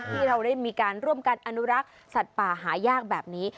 ที่เราได้มีการร่วมกันอนุรักษ์สัตว์ป่าหายากแบบนี้